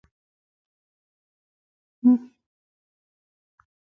مېوې د افغانستان د سیاسي جغرافیه یوه مهمه برخه ده.